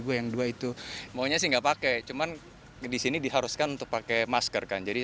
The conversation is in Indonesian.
gue yang dua itu maunya sih enggak pakai cuman disini diharuskan untuk pakai masker kan jadi